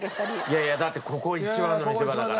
いやいやだってここ一番の見せ場だから。